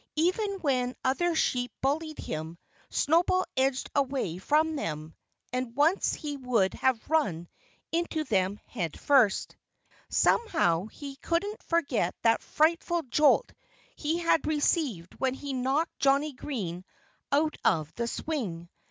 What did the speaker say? Even when other sheep bullied him Snowball edged away from them; and once he would have run into them head first. Somehow he couldn't forget that frightful jolt he had received when he knocked Johnnie Green out of the swing.